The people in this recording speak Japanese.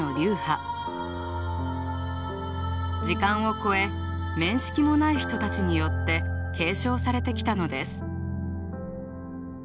時間を超え面識もない人たちによって継承されてきたのです。